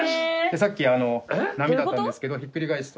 さっき波だったんですけどひっくり返すと。